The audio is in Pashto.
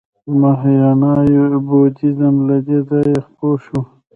مهایانا بودیزم له دې ځایه خپور شو